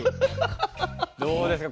どうですか？